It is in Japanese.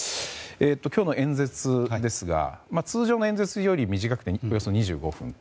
今日の演説ですが通常の演説より短くておよそ２５分と。